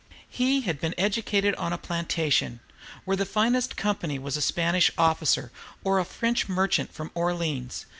He had been educated on a plantation where the finest company was a Spanish officer or a French merchant from Orleans.